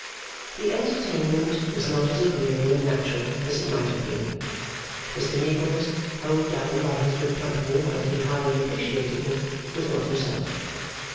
The entertainment was not as agreeable and natural as it might have been. Mr Meagles, hove down by his good company while he highly appreciated it, was not himself.